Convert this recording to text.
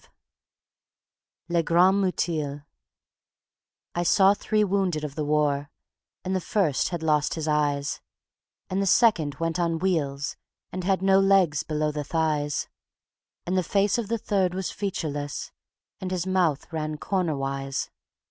V Les Grands Mutiles _I saw three wounded of the war: And the first had lost his eyes; And the second went on wheels and had No legs below the thighs; And the face of the third was featureless, And his mouth ran cornerwise.